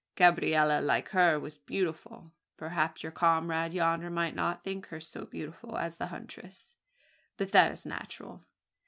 Gabriella, like her, was beautiful. Perhaps your comrade yonder might not think her so beautiful as the huntress; but that is natural.